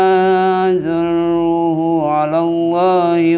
azruhu ala allahi